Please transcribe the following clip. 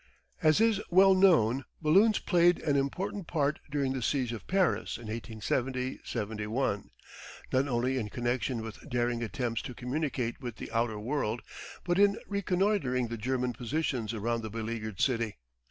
As is well known, balloons played an important part during the siege of Paris in 1870 1, not only in connection with daring attempts to communicate with the outer world, but in reconnoitring the German positions around the beleaguered city.